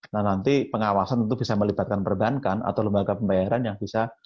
nah nanti pengawasan tentu bisa melibatkan perbankan atau lembaga pembayaran yang bisa